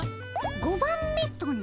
５番目とな？